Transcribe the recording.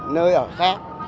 nơi ở khác